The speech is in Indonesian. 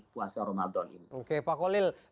puasa ramadan ini oke pak kolil